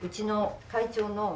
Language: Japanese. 会長の。